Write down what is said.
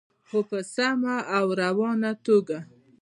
خو په سمه او روانه توګه.